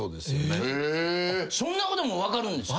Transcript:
そんなことも分かるんですか。